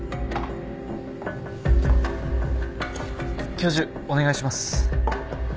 教授お願いします。